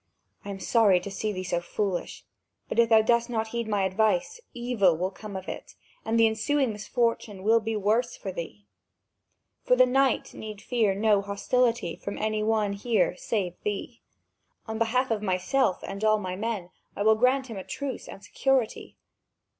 I am sorry to see thee so foolish; but if thou dost not heed my advice, evil will come of it, and the ensuing misfortune will be worse for thee. For the knight need fear no hostility from any one here save thee. On behalf of myself and all my men, I will grant him a truce and security.